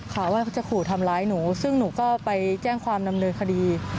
ข่าวว่าเขาจะขู่ทำร้ายหนูซึ่งหนูก็ไปแจ้งความดำเนินคดี